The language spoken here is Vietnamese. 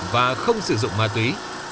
và không sử dụng ma túy